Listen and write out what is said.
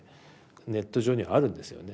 ネット上にあるんですよね